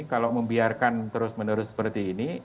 kalau membiarkan terus menerus seperti ini